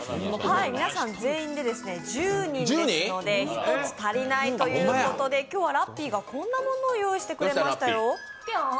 皆さん全員で１０人ですので一つ足りないということで今日ラッピーがこんなものを用意してくれましたよ。